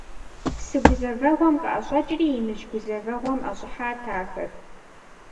Псы гузэвэгъуэм къыӀэщӀэкӀри иныжь гузэвэгъуэм ӀэщӀыхьат ахэр.